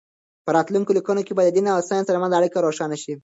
په راتلونکو لیکنو کې به د دین او ساینس ترمنځ اړیکه روښانه شي.